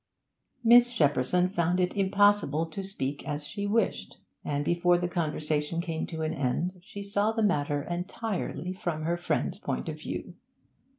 Miss Shepperson found it impossible to speak as she wished, and before the conversation came to an end she saw the matter entirely from her friend's point of view.